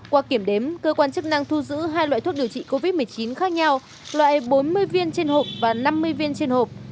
qua kiểm đếm cơ quan chức năng thu giữ hai loại thuốc điều trị covid một mươi chín khác nhau loại bốn mươi viên trên hộp và năm mươi viên trên hộp